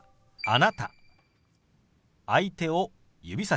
「あなた」。